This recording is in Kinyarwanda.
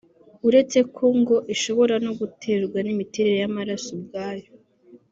uretse ko ngo ishobora no guterwa n’imiterere y’amaraso ubwayo